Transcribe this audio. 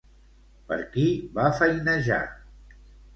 Per qui va feinejar?